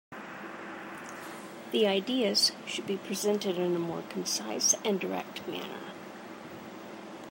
The ideas should be presented in a more concise and direct manner.